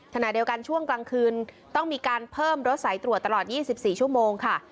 ขณะเดียวกันช่วงกลางคืนต้องมีการเพิ่มรถสายตรวจตลอด๒๔ชั่วโมงค่ะ